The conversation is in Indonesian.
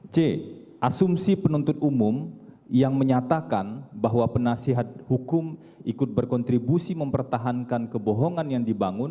c asumsi penuntut umum yang menyatakan bahwa penasihat hukum ikut berkontribusi mempertahankan kebohongan yang dibangun